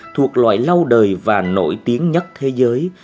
thuộc loại lâu đời và nổi tiếng nhất thế giới